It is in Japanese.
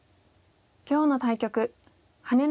今日の対局羽根